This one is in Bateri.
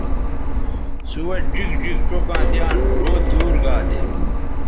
سوہ ڙیگ ڙیگ چوکاں دیان ڙھؤ دور گا دے